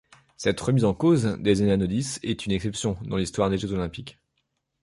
Cette remise en cause des hellanodices est une exception dans l'histoire des Jeux olympiques.